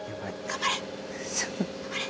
頑張れ！